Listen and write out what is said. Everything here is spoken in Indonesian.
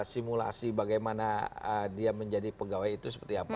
simulasi bagaimana dia menjadi pegawai itu seperti apa